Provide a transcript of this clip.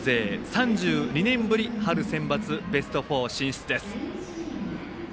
３２年ぶり春センバツ、ベスト４進出です。